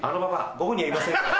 午後にはいませんから。